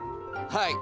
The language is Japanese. はい。